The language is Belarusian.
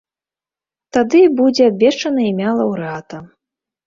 Тады і будзе абвешчана імя лаўрэата.